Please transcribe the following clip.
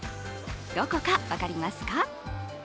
どこか分かりますか？